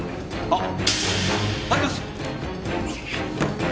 あっ！